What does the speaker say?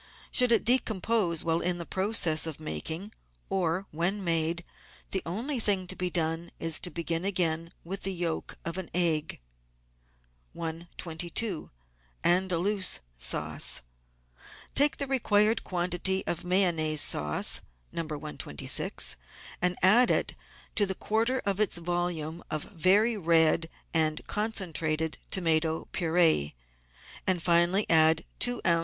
Should it decompose while in the process of making or when made, the only thing to be done is to begin it again with the yolk of an egg. I22~ANDAL0USE SAUCE Take the required quantity of Mayonnaise sauce (No. 126) and add to it the quarter of its volume of very red and con centrated tomato pur6e, and finally add two oz.